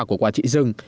của quản trị rừng